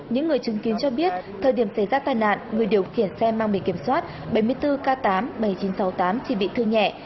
những người chứng kiến cho biết thời điểm xảy ra tai nạn người điều khiển xe mang bị kiểm soát bảy mươi bốn k tám mươi bảy nghìn chín trăm sáu mươi tám thì bị thương nhẹ